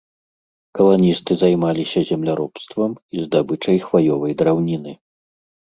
Каланісты займаліся земляробствам і здабычай хваёвай драўніны.